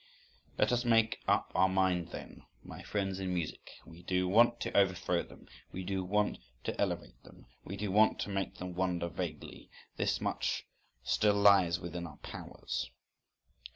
—Let us make up our mind then, my friends in music: we do want to overthrow them, we do want to elevate them, we do want to make them wonder vaguely. This much still lies within our powers.